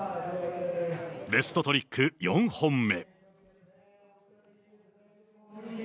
ベストトリック４本目。